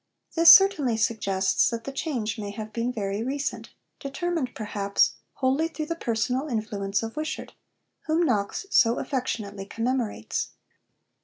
This certainly suggests that the change may have been very recent determined, perhaps, wholly through the personal influence of Wishart, whom Knox so affectionately commemorates.